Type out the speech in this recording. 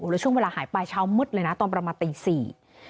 แล้วช่วงเวลาหายไปเช้ามืดเลยนะตอนประมาณตีสี่